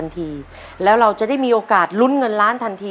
ทำไมยังไง